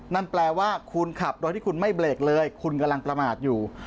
นั่นแปลว่าคุณขับโดยที่คุณไม่เบรกเลยคุณกำลังประมาทอยู่